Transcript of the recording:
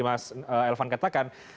yang elvan katakan